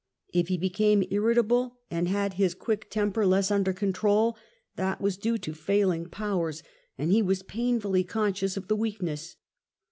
If he became irritable and had his quick temper less under control, that was due to failing powers, and he was painfully conscious of the weakness.